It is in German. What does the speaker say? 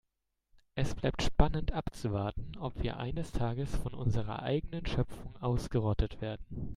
Es bleibt spannend abzuwarten, ob wir eines Tages von unserer eigenen Schöpfung ausgerottet werden.